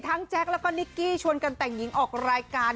แจ๊กแล้วก็นิกกี้ชวนกันแต่งหญิงออกรายการ